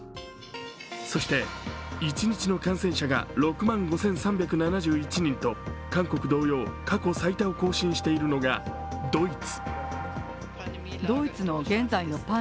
そして一日の感染者が６万５３７１人と韓国同様、過去最多を更新しているのがドイツ。